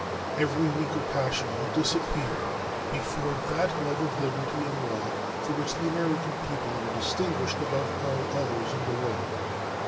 Every weaker passion will disappear before that love of liberty and law for which the American people are distinguished above all others in the world.